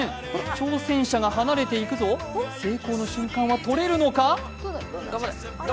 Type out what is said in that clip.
挑戦者が離れていくぞ、成功の瞬間は撮れるのか？